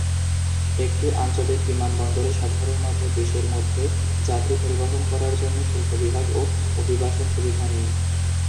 একটি আঞ্চলিক বিমানবন্দরে সাধারণত দেশের মধ্যে যাত্রী পরিবহন করার জন্য শুল্ক বিভাগ ও অভিবাসন সুবিধা নেই।